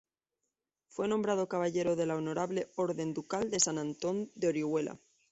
Fue nombrado caballero de la Honorable Orden Ducal de San Antón de Orihuela.